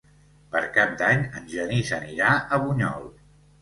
Per Cap d'Any en Genís anirà a Bunyol.